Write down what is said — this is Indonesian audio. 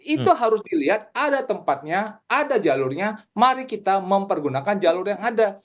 itu harus dilihat ada tempatnya ada jalurnya mari kita mempergunakan jalur yang ada